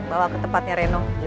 bawa ke tempatnya reno